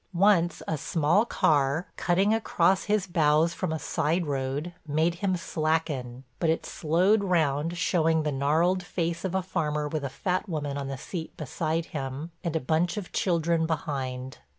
Once a small car, cutting across his bows from a side road, made him slacken, but it slowed round showing the gnarled face of a farmer with a fat woman on the seat beside him and a bunch of children behind.